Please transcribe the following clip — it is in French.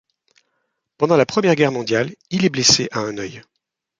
Pendant la Première Guerre mondiale, il est blessé à un œil.